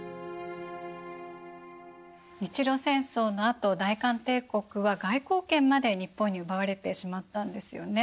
日露戦争のあと大韓帝国は外交権まで日本に奪われてしまったんですよね。